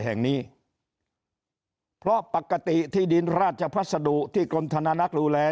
แห่งนี้เพราะปกติที่ดินราชภัสดุที่กรมธนานักดูแล